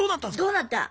どうなった？